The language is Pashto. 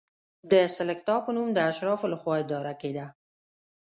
د سلکتا په نوم د اشرافو له خوا اداره کېده.